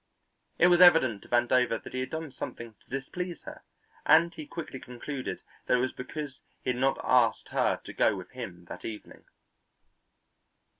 It was evident to Vandover that he had done something to displease her, and he quickly concluded that it was because he had not asked her to go with him that evening.